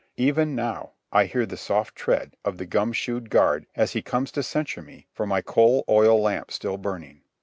Even now, I hear the soft tread of the gum shoed guard as he comes to censure me for my coal oil lamp still burning.